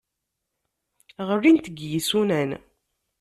Ɣlint deg yisunan.